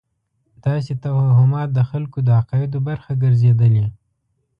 داسې توهمات د خلکو د عقایدو برخه ګرځېدلې.